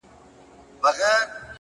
پرمختګ د دوامداره زده کړې محصول دی